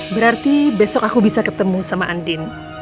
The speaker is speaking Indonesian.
berarti besok aku bisa ketemu sama andin